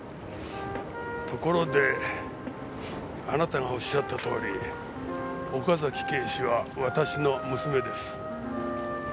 ところであなたがおっしゃったとおり岡崎警視は私の娘です。